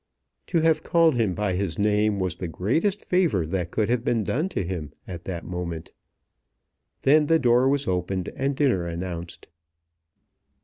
To have called him by his name was the greatest favour that could have been done to him at that moment. Then the door was opened and dinner announced.